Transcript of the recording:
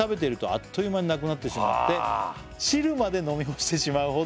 「あっという間になくなってしまって」「汁まで飲み干してしまうほど」